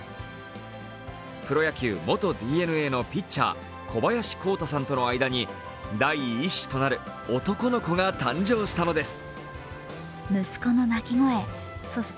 プロ野球元ＤｅＮＡのピッチャー、小林公太さんとの間に第１子となる男の子が誕生したのです。